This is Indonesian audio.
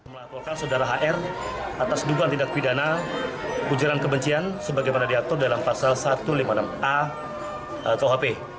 melaporkan saudara hr atas dugaan tindak pidana ujaran kebencian sebagaimana diatur dalam pasal satu ratus lima puluh enam a kuhp